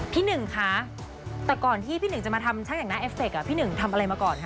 หนึ่งคะแต่ก่อนที่พี่หนึ่งจะมาทำช่างแต่งหน้าเอฟเฟคพี่หนึ่งทำอะไรมาก่อนคะ